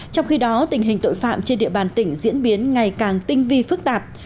trong khi đó tình hình tội phạm trên địa bàn tỉnh diễn biến ngày càng tinh vi phức tạp